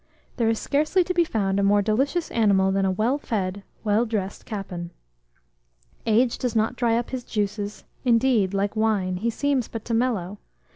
There is scarcely to be found a more delicious animal than a well fed, well dressed capon. Age does not dry up his juices; indeed, like wine, he seems but to mellow.